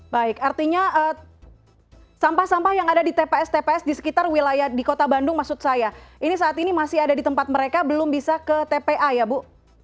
baik artinya sampah sampah yang ada di tps tps di sekitar wilayah di kota bandung maksud saya ini saat ini masih ada di tempat mereka belum bisa ke tpa ya bu